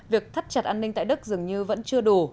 việc thắt chặt an ninh tại đức dường như vẫn chưa đủ